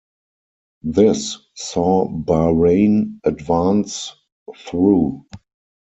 This saw Bahrain advance through.